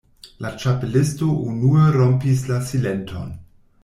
La Ĉapelisto unue rompis la silenton.